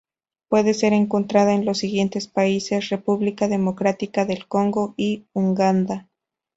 Puede ser encontrada en los siguientes países: República Democrática del Congo y Uganda.